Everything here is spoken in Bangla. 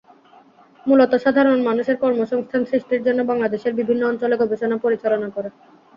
মূলত সাধারণ মানুষের কর্মসংস্থান সৃষ্টির জন্য বাংলাদেশের বিভিন্ন অঞ্চলে গবেষণা পরিচালনা করে।